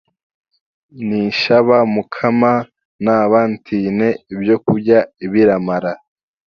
Ninshaba mukama naaba ntaine byokurya ebiramara.